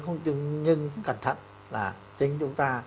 cẩn thận là chính chúng ta lại làm hại chúng ta